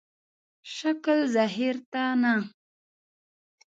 شکل ظاهر ته نه.